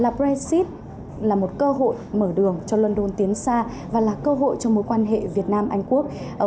là brexit là một cơ hội mở đường cho london tiến xa và là cơ hội cho mối quan hệ việt nam anh quốc